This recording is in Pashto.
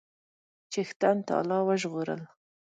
چښتن تعالی وژغورل.